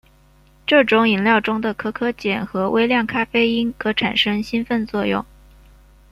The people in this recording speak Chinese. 这种饮料中的可可碱和微量咖啡因可产生兴奋作用。